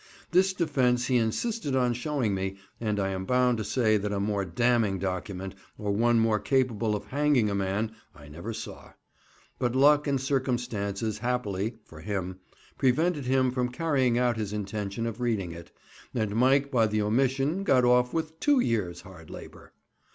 This defence he insisted on showing me, and I am bound to say that a more damning document, or one more capable of hanging a man, I never saw; but luck and circumstances happily (for him) prevented him carrying out his intention of reading it, and Mike by the omission got off with two years' hard labour.